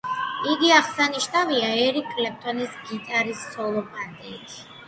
იგი აღსანიშნავია ერიკ კლეპტონის გიტარის სოლო პარტიით.